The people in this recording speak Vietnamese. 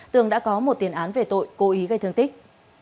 tường đã có một tiền án về tội cố ý gây thương tích